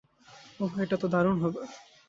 ওহ, এটা অনেক দারুণ হবে।